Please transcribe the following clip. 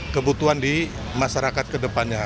kebutuhan di masyarakat kedepannya